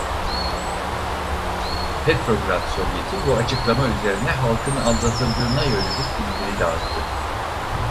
Petrograd Sovyeti bu açıklama üzerine halkın aldatıldığına yönelik bildiri dağıttı.